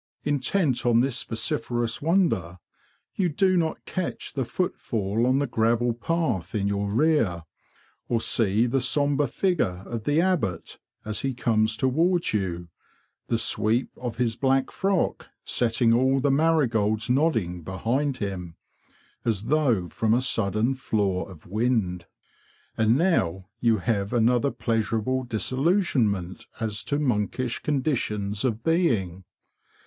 Intent on this vociferous wonder, you do not catch the footfall on the gravel path in your rear, or see the sombre figure of the Abbot as he comes towards you, the sweep of his black frock setting all the marigolds nodding behind him, as though from a sudden flaw of wind. And now you have another pleasurable disillusionment as to monkish conditions of being.